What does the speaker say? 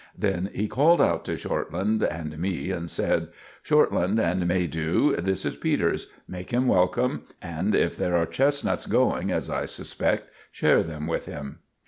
Then he called out to Shortland and me and said— "Shortland and Maydew, this is Peters. Make him welcome, and if there are chestnuts going, as I suspect, share them with him."